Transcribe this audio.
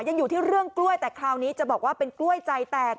ยังอยู่ที่เรื่องกล้วยแต่คราวนี้จะบอกว่าเป็นกล้วยใจแตก